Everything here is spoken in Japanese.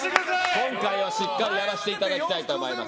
今回はしっかりやらせていただきたいと思います。